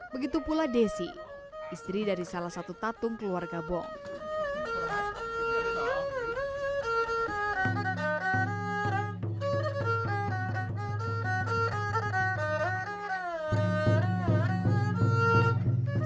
begitu pula desi istri dari salah satu tatung keluarga bong